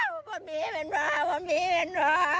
พวกมีเป็นพวกพวกมีเป็นพวก